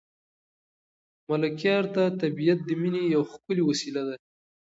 ملکیار ته طبیعت د مینې یوه ښکلې وسیله ده.